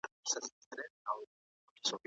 هغوی څنګه بریالي شول؟